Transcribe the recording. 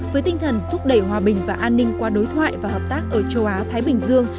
với tinh thần thúc đẩy hòa bình và an ninh qua đối thoại và hợp tác ở châu á thái bình dương